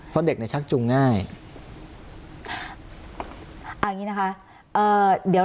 เพราะเด็กในช่างจุงง่าย